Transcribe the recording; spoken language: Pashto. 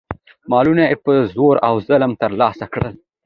مالونه یې په زور او ظلم ترلاسه کړل.